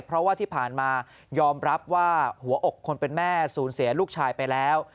เพราะว่าที่ผ่านมายอมรับว่าหัวอกคนเป็นแม่สูญเสียลูกชายไปแล้ว